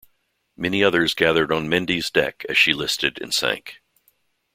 Many others gathered on "Mendi"s deck as she listed and sank.